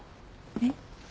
えっ？